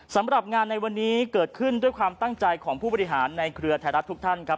สำหรับงานในวันนี้เกิดขึ้นด้วยความตั้งใจของผู้บริหารในเครือไทยรัฐทุกท่านครับ